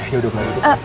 ya udah pak